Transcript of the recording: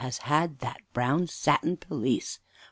has had that brown satin pelisse!